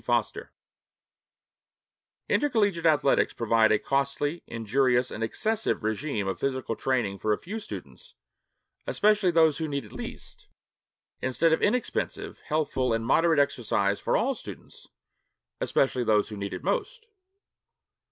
Foster I Intercollegiate athletics provide a costly, injurious, and excessive régime of physical training for a few students, especially those who need it least, instead of inexpensive, healthful, and moderate exercise for all students, especially those who need it most.